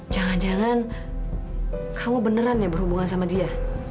jangan jangan kamu beneran ya berhubungan sama dia